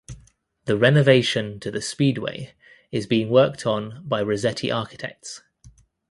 The renovation to the speedway is being worked on by Rossetti Architects.